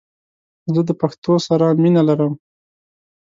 زه د پښتو سره مینه لرم🇦🇫❤️